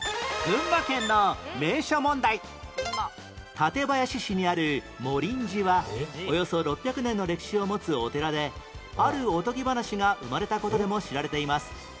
館林市にある茂林寺はおよそ６００年の歴史を持つお寺であるおとぎ話が生まれた事でも知られています